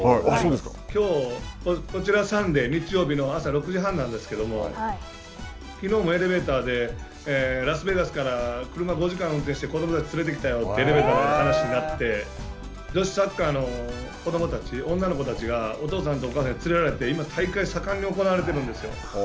きょう、こちらサンデー日曜日の朝６時半なんですけれども、きのうもエレベーターで、ラスベガスから車５時間運転して子どもたちを連れてきたよってエレベーターで話になって、女子サッカーの子どもたち女の子たちがお父さんとお母さんに連れられて今、大会が盛んに行われているんですよ。